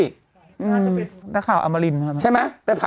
กรมป้องกันแล้วก็บรรเทาสาธารณภัยนะคะ